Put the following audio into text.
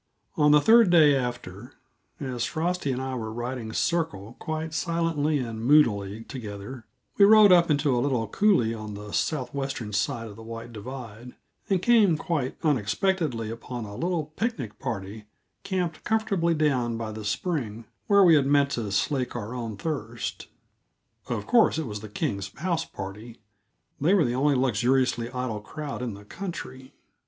On the third day after, as Frosty and I were riding circle quite silently and moodily together, we rode up into a little coulée on the southwestern side of White Divide, and came quite unexpectedly upon a little picnic party camped comfortably down by the spring where we had meant to slake our own thirst. Of course, it was the Kings' house party; they were the only luxuriously idle crowd in the country.